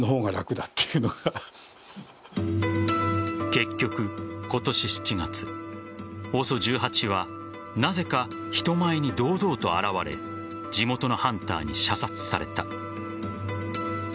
結局、今年７月ＯＳＯ１８は、なぜか人前に堂々と現れ地元のハンターに射殺された。